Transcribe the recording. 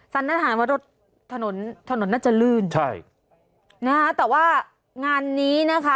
สันนิษฐานว่ารถถนนถนนน่าจะลื่นใช่นะคะแต่ว่างานนี้นะคะ